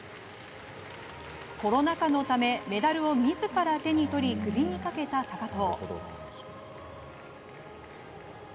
コロナ禍のためメダルを自ら手に取り首にかけた高藤。